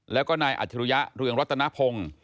แล้วก็นายอัจฉริยะเรืองรัตนพงศ์